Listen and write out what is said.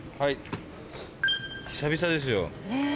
久々ですよ。